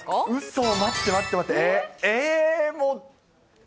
そー、待って、待って。